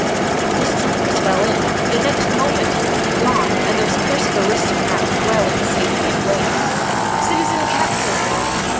His troopers fell in. The next moment he would be gone, and those cursed aristocrats well in safety's way. "Citizen Captain!"